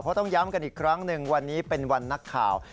เพราะต้องย้ำกันอีกครั้งหนึ่งวันนี้เป็นวันนักข่าว